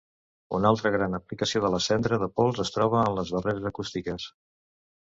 Una altra gran aplicació de la cendra de pols es troba en les barreres acústiques.